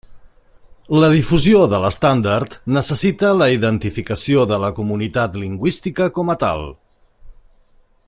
La difusió de l'estàndard necessita la identificació de la comunitat lingüística com a tal.